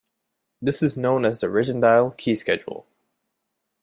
This is known as the Rijndael key schedule.